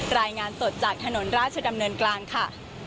รายงานสดจากถนนราชดำเนินกลางค่ะ